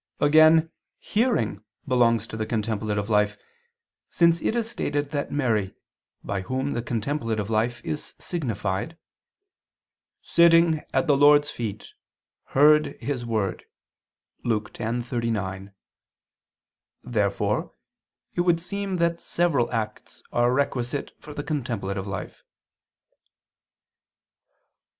Again, "hearing" belongs to the contemplative life: since it is stated that Mary (by whom the contemplative life is signified) "sitting ... at the Lord's feet, heard His word" (Luke 10:39). Therefore it would seem that several acts are requisite for the contemplative life.